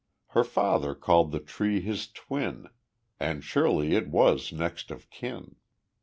Her father called the tree his twin, And surely it was next of kin.